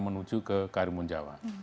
menuju ke karimun jawa